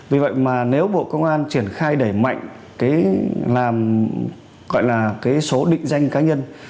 vì vậy mà nếu bộ công an triển khai đẩy mạnh cái số định danh cá nhân